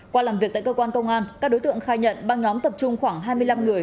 qua làm việc tại cơ quan công an các đối tượng khai nhận băng nhóm tập trung khoảng hai mươi năm người